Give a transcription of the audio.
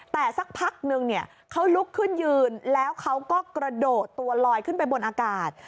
แต่สักพักนึงเนี่ยเขาลุกขึ้นยืนแล้วเขาก็กระโดดตัวลอยขึ้นไปบนอากาศ